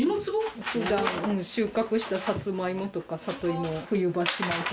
収穫したさつまいもとか里芋を冬場しまう所。